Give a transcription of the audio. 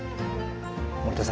守田さん